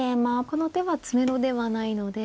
この手は詰めろではないので。